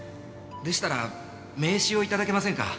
でしたら名刺を頂けませんか？